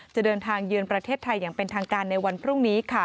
จะเดินทางเยือนประเทศไทยอย่างเป็นทางการในวันพรุ่งนี้ค่ะ